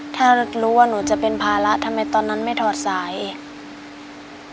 ถ้ารู้ว่าหนูจะเป็นภาระทำไมตอนนั้นไม่ถอดสายอีก